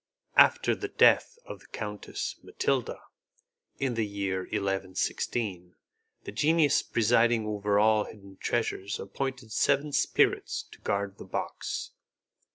After the death of the Countess Mathilda, in the year 1116, the genius presiding over all hidden treasures appointed seven spirits to guard the box.